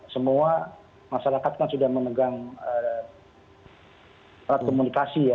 semua masyarakat yang sudah menegang alat komunikasi